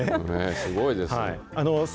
すごいです。